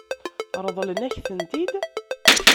Ṛeḍlen-ak-tent-id?